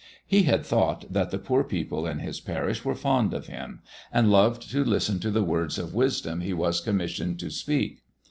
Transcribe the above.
He had thought that the poor people in his parish were fond of him, and loved to listen to the words of wisdom he was commissioned to speak.